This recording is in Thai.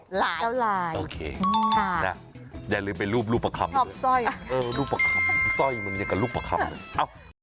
เจ้าลายโอเคค่ะอย่าลืมไปลูบลูกปะคำชอบสร้อยเออลูกปะคำสร้อยมันเหมือนกับลูกปะคำเลยเอา